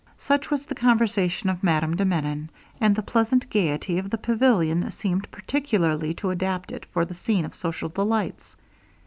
Such was the conversation of Madame de Menon; and the pleasant gaiety of the pavilion seemed peculiarly to adapt it for the scene of social delights.